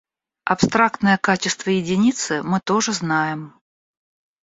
Абстрактное качество единицы мы тоже знаем.